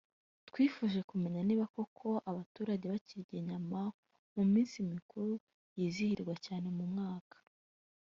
twifuje kumenya niba koko abaturage bakirya inyama mu minsi mikuru yizihizwa cyane mu mwaka